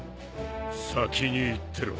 先に行ってろ。